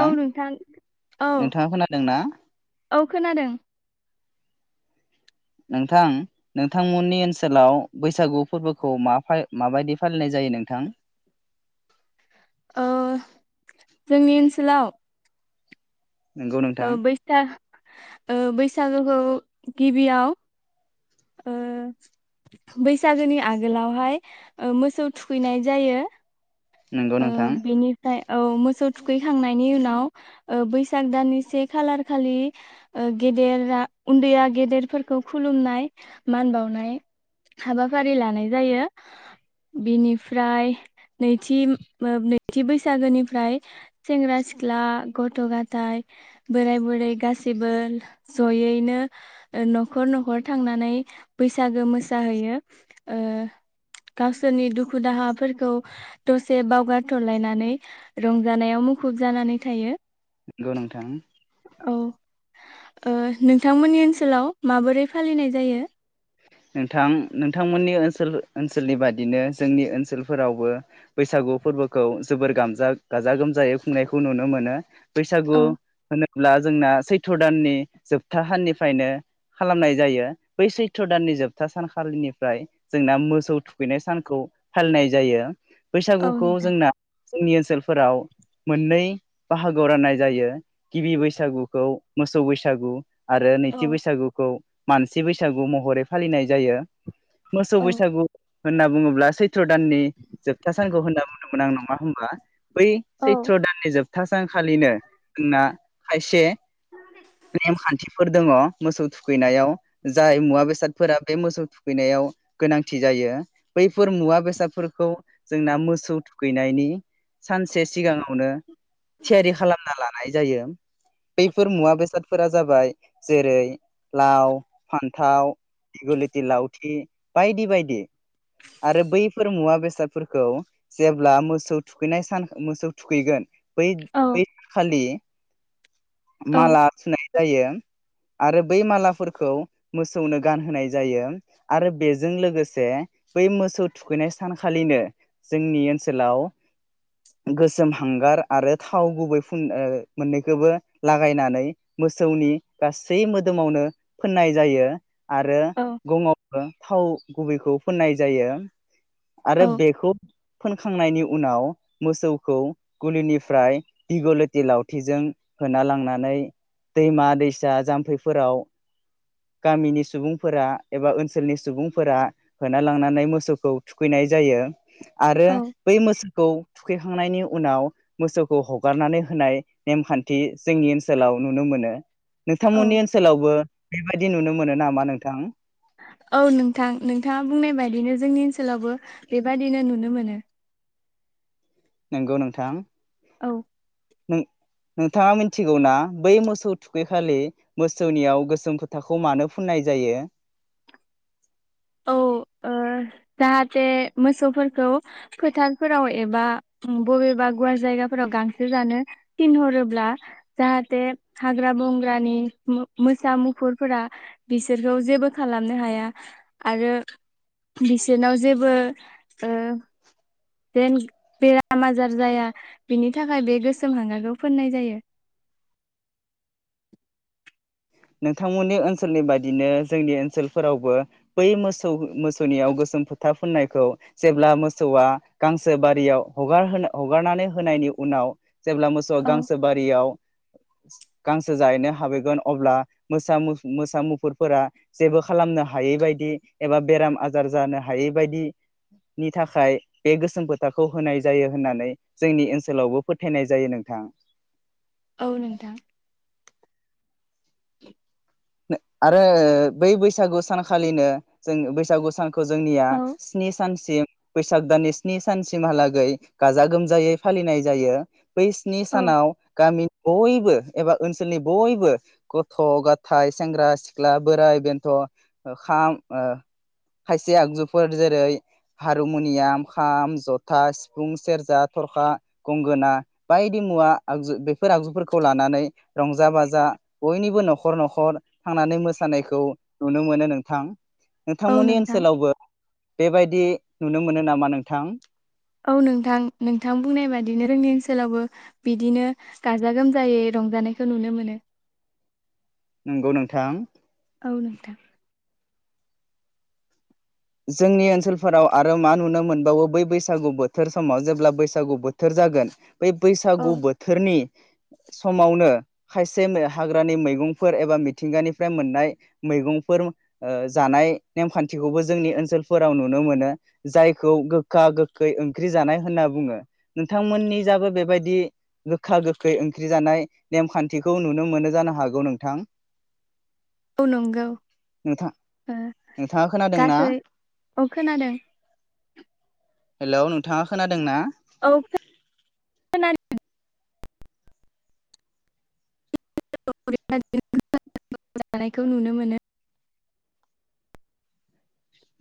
औ नोंथां औ नोंथाङा खोनादोंना औ खोनादों। नोंथां नोंथांमोननि ओनसोलाव बैसागु फोरबोखौ मा माबायदि फालिनाय जायो नोंथां? ओ जोंनि ओनसोलाव नंगौ ओ नोंथां बैसाग ओ बैसागुखौ गिबियाव ओ बैसागोनि आगोलावहाय मोसौ थुखैनाय जायो। नंगौ ओ नोंथां। बेनिफ्राय औ मोसौ थुखैखांनायनि उनाव ओ बैसाग दाननि से खालार खालि ओ गेदेरा उन्दैया गेदेरफोरखौ खुलुमनाय मान बावनाय हाबाफारि लानाय जायो। बिनिफ्राय नैथि नैथि बैसागोनिफ्राय सेंग्रा सिख्ला गथ' गाथाय बोराय बुरै गासैबो जयैनो ओ न'खर न'खर थांनानै बैसागो मोसाहैयो ओ गावसोरनि दुखु दाहाफोरखौ दसे बावगारथलायनानै रंजानायाव मुखुब जानानै थायो। नोंगौ नोंथां। औ ओ नोंथांमोननि ओन्सोलाव माबोरै फालिनाय जायो? नोंथां नोंथांमोन्नि ओन्सोल-ओन्सोलनि बादिनो जोंनि ओन्सोलफोरावबो बैसागु फोर्बोखौ जोबोर गामजा गाजा गोमजायै खुंनायखौ नुनो मोनो। बैसागु औ हो ब्ला जोंना सैथ' दाननि जोबथा साननिफ्रायनो खालामनाय जायो। बै सै सैत्र दाननि जोबथा सानखालिनिफ्राय जोंना मोसौ थुखैनाय सानखौ फालिनाय जायो। औ बैसागुखौ नोंथां जोंना जोंनि ओ न्सोलफोराव मोननै बाहागोआव रान्नाय जायो। गिबि बैसागुखौ मोसौ बैसागु आरो औ नैथि बैसागुखौ मानसि बैसागु म हरै फालिनाय जायो। मोसौ औ बैसागु होन्ना बुङोब्ला सै थ्र दाननि जोबथा सानखौ होन्ना बुंदोंमोन आं नङा होमबा। बै औ सैत्र दाननि जोबथा सानखालिनो होन्ना खायसे नेमखान्थिफोर दङ। मोसौ थुखैनायाव। जाय मुवा बेसाद फोरा बे मोसौ थुखैनायाव गोनांथि जायो बैफोर मुवा बेसादफोरखौ जोंना मोसौ थुखैनायनि सानसे सिगाङावनो थियारि खालामना लानाय जायो। बैफोर मुवा बेसादफोरा जाबाय जेरै लाव, फान्थाव दिगलिति लाउथि बायदि बायदि। आरो बैफोर मुवा बेसादफोरखौ जेब्ला मोसौ थुखैनाय सान मोसौ थुखैगोन बै औ बै खालि औ माला थुनाय जायो। आरो बै मालाफोरखौ मोसौनो गानहोनाय जायो। आरो बेजों लोगोसे बै मोसौ थुखैनाय सानखालिनो जोंनि ओन्सोलाव गोसोम हांगार आरो थाव गुबै फुन मोन्नैखौबो लागायनानै मोसौनि गासै मोदोमावनो फोन्नाय जायो। आरो गङावबो थाव गुबैखौ फोन्नाय जायो। आरो औ बेखौ फोनखांनायनि उनाव मोसौखौ गुलिनिफ्राय दिग लथि लावथिजों होना लांनानै दैमा दैसा जाम्फैफोराव गामिनि सुबुंफोरा एबा ओन्सोलनि सुबुंफोरा होना लांनानै मोसौखौ थुखैनाय जायो। आरो औ बै मोसौखौ थुखैखांनायनि उनाव मोसौखौ हगारनानै होनाय नेमखान्थि जोंनि ओन्सोलाव नुनो मोनो। औ नोंथांमोननि ओनृसोलावबो बेबायदि नुनो मोनो नामा नों थां? औ नोंथां नोंथाङा बुंनाय बायदिनो जोंनि ओन्सोलावबो बेबादिनो नुनो मोनो। नोंगौ नोंथां। औ। नों नोंथाङा मिथिगौना बै मोसौ थुखैखालि मोसौनियाव गोसोम खोथाखौ मानो फुन्नाय जायो? औ ओ जाहाथे मोसौफोरखौ फोथारफोराव एबा बबेबा गुवार जायगाफोराव गांसो जानो थिनहरोब्ला जाहाथे हाग्रा बंग्रानि मोसा, मुफुरफोरा बिसोरखौ जेबो खालामनो हाया‌। आरो बिसोरनाव जेबो जेन बेराम आजार जाया बिनि थाखाय बे गोसोम हांगारखौ फोन्नाय जायो। नोंथांमोननि ओन्सोलनि बादिनो जोंनि ओन्सोलफोरावबो बै मोसौ मोसौनियाव गोसोम फोथा फुन्नायखौ जेब्ला मोसौआ गांसो बारियाव हगार होना हगारनानै होनायनि उनाव जेब्ला मोसौआ औ गांसो बारियाव गांसो जाहैनो हाबैगोन अब्ला मोसा मोसा मुफुरफोरा जेबो खालामनो हायै बायदि एबा बेराम आजार जानो हायै बायदिनि थाखाय बे गोसोम फोथाखौ होनाय जायो होननानै जोंनि ओनसोलावबो फोथायनाय जायो नोंथां। औ नोंथां। [inaudible] आरो बै बैसागु सानखालिनो जों बैसागु सानखौ जोंनिया औ स्नि सानसिम बैसाग दाननि स्नि सानसिमहालागै गाजा गोमजायै फालिनाय जायो। बै स्नि औ सानाव गामि बय बो एबा ओनसोलनि बयबो गथ ग थाइ सेंग्रा सिख्ला बोराइ बेन्थ खाम खायसे आगजुफोर जेरै हारमुनियाम, खाम, जथा, सिफुं, सेरजा, थरखा, गंगोना बायदि मुवा आगजु बेफोर आगजुफोरखौ लानानै रंजा बाजा बयनिबो नखर न खर थांनानै मोसानायखौ नुनो मोनो नोंथां। औ नोंथांमोननि नोंथां ओनसोलावबो बेबायदि नुनो मोनो नामा नोंथां? औ नोंथां नोंथां बुंनाय बादिनो रोंनि ओनसोलावबो बिदिनो गाजा गोमजायै रंजानायखौ नुनो मोनो। नंगौ नोंथां। औ नोंथां। जोंनि ओनसोलफोराव आरो मा नुनो मोनबावो बै बैसागु बोथोर समाव जेब्ला बैसागु बोथोर जागोन बै औ बैसागु बोथोरनि समावनो खायसे नो हाग्रानि मैगंफोर एबा मिथिंगानिफ्राय मोननाय मैगंफोर ओ जानाय नेमखान्थिखौबो जोंनि ओनसोलफोराव नुनो मोनो जायखौ गोखा गोखै ओंख्रि जानाय होनना बुङो नोंथांमोननि जाबो बेबायदि गोखा गोखै ओंख्रि जानाय नेमखान्थिखौ नुनो मोनो जानो हागौ नोंथां। औ नंगौ। नोंथां ओ नोंथाङा खोनादोंना गासै अ खोनादों। हेलौ नोंथाङा खोनादों ना? औ [unintelligible] [unintelligible] जानायखौ नुनो मोनो।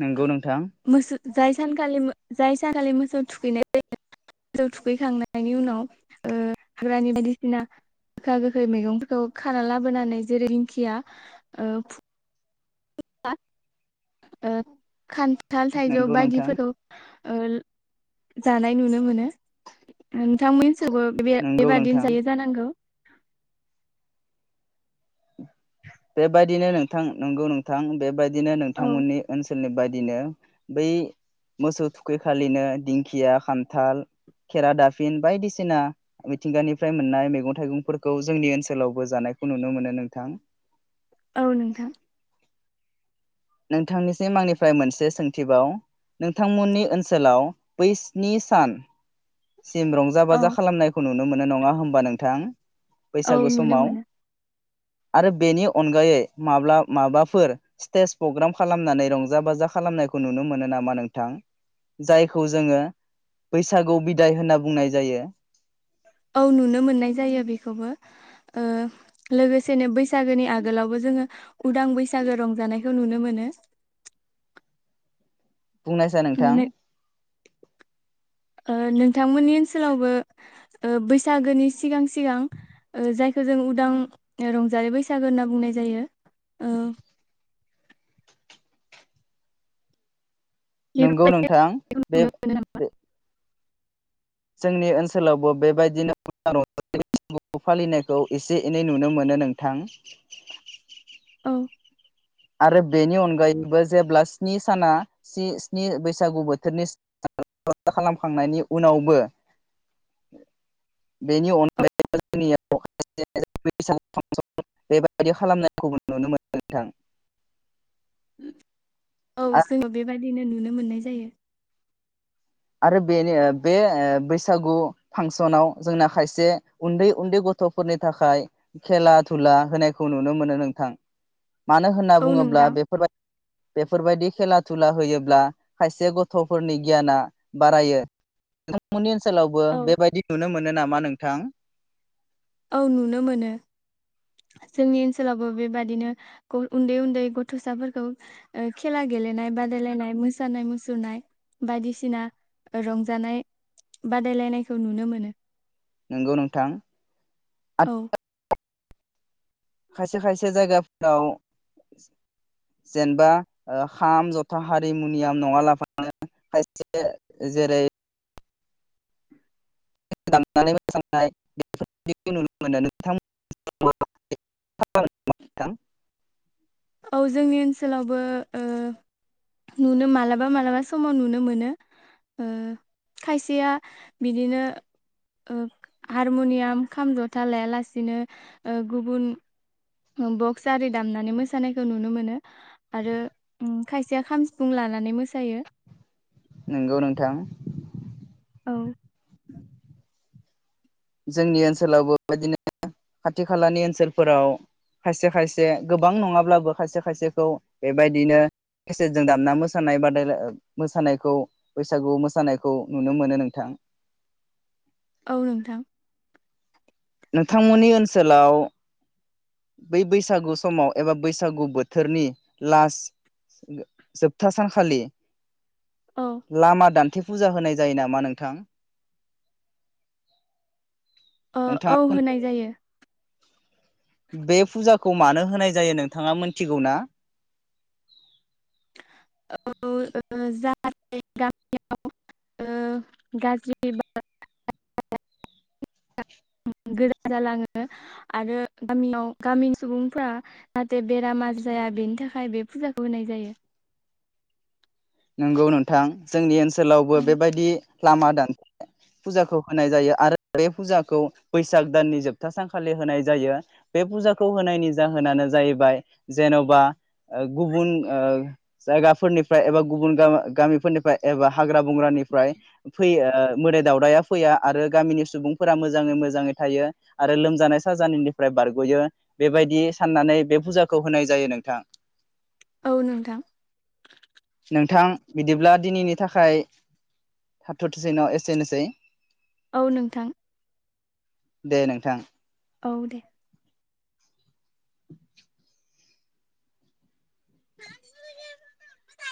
नोंगौ नोंथां [unintelligible] जाय सानखालि जाय सानखालि मोसौ थुखैनाय जायो मोसौ थुखैखांनायनि उनाव ओ हाग्रानि बायदिसिना गोखा गोखै मैगंफोरखौ खाना लाबोनानै जेरै दिंखिया ओ [unintelligible] खान थाल थाइजौ नोंगौ नोंथां बायदिफोरखौ ओ जानाय नुनो मोनो नोंथांमोननि सिमबो नोंगौ बे-बेबादिनो नोंथां जायो जानांगौ। बेबायदिनो नोंथां नंगौ नोंथां बेबायदि दिनो औ नोंथांमोननि ओनसोल ओनसोलनि बायदिनो बै मोसौ थुखैखालिनो दिंखिया खान्थाल खेरा दाफिन बायदिसिना मिथिंगानिफ्राय मोननाय मैगं थाइगंफोरखौ जोंनि ओनसोलावबो जानायखौ नुनो मोनो नोंथां। औ नोंथां। नोंथांनिसिम आंनिफ्राय मोनसे सोंथिबाव नोंथांमोननि ओनसोलाव बै स्नि सान सिम रंजा औ बाजा खालामनायखौ नुनो मोनो नङा होमबा नोंथां? औ बैसागु नुनो समाव मोनो आरो बेनि अनगायै माब्ला माबाफोर स्तेज पग्राम खालामनानै रंजा बाजा खालामनायखौ नुनो मोनो नामा नोंथां जायखौ जोङो बैसागु बि बिदाय होनना बुंनाय जायो। औ नुनो मोननाय जायो बेखौबो ओ लोगोसेनो बैसागोनि आगोलावबो जोङो उदां बैसागो रंजानायखौ नुनो मोनो। बुंनायसाय नोंथां ओ नोंथांमोननि ओनसोलावबो ओ बैसागोनि सिगां सिगां ओ जायखौ जों उदां रंजालि बैसागो होनना बुंनाय जायो ओ नंगौ नोंथां बे बे जोंनि ओनसोलावबो बेबायदिनो [unintelligible] फालिनायखौ एसे-एनै नुनो मोनो नोंथां [unintelligible] आरो बेनि अनगायैबो जेब्ला स्नि साना सि स्नि बैसागु बोथोरनि [unintelligible] खालामखांनायनि उनावबो बेनि औ अनगायैबो जोंनियाव [unintelligible] बेबायदि खालामनायखौ नुनो मोनो नोंथां औ जोङो बेबाय दिनो नुनो मोननाय जायो। आरो बेनि बे ओ बैसागु फांसनाव जोंना खायसे उन्दै उन्दै गथ'फोरनि थाखाय खेला दुला होनायखौ नुनो मोनो नोंथां। मानो होनना औ बुङोब्ला नोंथां बेफोरबाय बेफोरबायदि खेला दुला होयोब्ला खायसे गथ'फोरनि गियाना बारायो नोंथांमोननि ओन सोलावबो औ बेबायदि नुनो मोनो नामा नों थां औ नुनो मोनो जोंनि ओनसोलावबो बेबादिनो ग उन्दै उन्दै गथसाफोरखौ ओ खेला गेलेनाय बादायलायनाय मोसानाय मुसुरनाय बायदिसिना ओ रंजानाय बादायलायनायखौ नुनो मोनो। नोंगौ नोंथां। औ खायसे खायसे जायगाफोराव जेनेबा ओ खाम' जथा हारिमुनियाम नङा लाफानो खायसे जेरै दामनानै मोसानाय बेफोरबादिखौ नुनो मोनो नोंथां [unintelligible] औ जोंनि ओनसोलावबो ओ नुनो मालाबा मालाबा समाव नुनो मोनो ओ खायसेया बिदिनो ओ हारमुनियाम, खाम, जथा लायालासिनो ओ गुबुन बक्स आरि दामनानै मोसा सानायखौ नुनो मोनो आरो उम खायसेया खाम, सिफुं लानानै मोसायो। नंगौ नोंथां। औ जोंनि ओनसोलावबो बेबायदिनो खाथि खालानि ओनसोलफोराव खायसे खायसे गोबां नङाब्लाबो खायसे खायसेखौ बेबायदिनो खेसेेदजों दामना मोसानाय बादायला ओ मोसानायखौ बैसागु मोसानायखौ नुनो मोनो नोंथां। औ नोंथां। नोंथांमोननि ओनसोलाव बै बैसागु समाव एबा बै सागु बोथोरनि लास गो जोबथा सानखालि औ लामा दान थे फुजा होनाय जायो नामा नोंथां ओ औ नोंथाङा होनाय जायो। बे फुजाखौ मानो होनाय जायो नोंथाङा मिथिगौ ना औ ओ जाहाथे गामियाव ओ गाज्रि बार [unintelligible] गोजा जालाङो आरो गामियाव गामिनि सुबुंफ्रा जाहाथे बेराम आजार जाया बेनि थाखाय बे फुजाखौ होनाय जायो नंगौ नोंथां जोंनि ओनसो सोलावबो बेबायदि लामा दान्थे फुजाखौ होनाय जायो आरो बे फुजाखौ बैसाग दाननि जोबथा सानखालि होनाय जायो बे फुजाखौ होनायनि जाहोनानो जाहैबाय जेनबा ओ गुबुन ओ जायगाफोरनिफ्राय एबा गुबुन गा-गामिफोरनिफ्राय एबा हाग्रा बंग्रानिफ्राय फैयो मोदाय दावदाया फैया आरो गामिनि सुबुंफोरा मोजाङै मोजाङै थायो आरो लोमजानाय साजानायनिफ्राय बारगयो बेबायदि साननानै बे फुजाखौ होनाय जायो नोंथां। औ नोंथां नोंथां बिदिब्ला दिनैनि थाखाय थाथथिसैन एसेनोसै। औ नोंथां दे नोंथां। औ दे। [inaudible] [inaudible]